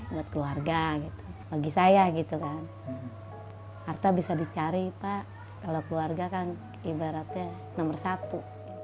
buat keluarga gitu bagi saya gitu kan harta bisa dicari pak kalau keluarga kan ibaratnya nomor satu